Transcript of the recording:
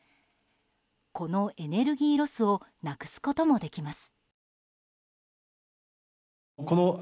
このエネルギーロスをなくすこともできます。